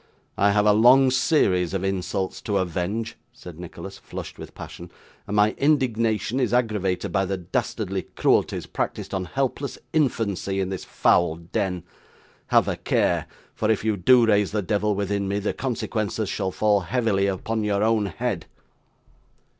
'I have a long series of insults to avenge,' said Nicholas, flushed with passion; 'and my indignation is aggravated by the dastardly cruelties practised on helpless infancy in this foul den. Have a care; for if you do raise the devil within me, the consequences shall fall heavily upon your own head!